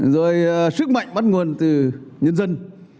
rồi sức mạnh bắt nguồn từ nhân dân